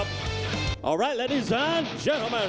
สวัสดีทุกคน